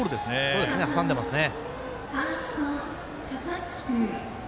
そうですね、挟んでますね。